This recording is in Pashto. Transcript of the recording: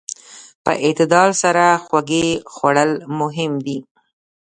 په اعتدال سره خوږې خوړل مهم دي.